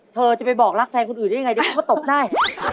เธอจะไปบอกรักแฟนคนอื่นได้ยังไงดีก็ตบได้